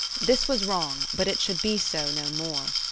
This was wrong; but it should be so no more.